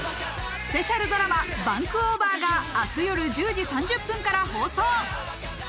スペシャルドラマ『バンクオーバー！』が明日夜１０時３０分から放送。